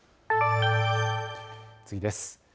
次です。